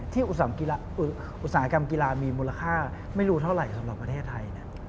อุตสาหกรรมกีฬามีมูลค่าไม่รู้เท่าไหร่สำหรับประเทศไทย